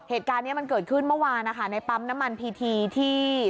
เหตุการณ์นี้มันเกิดขึ้นเมื่อวานนะคะในปั๊มน้ำมันพีทีที่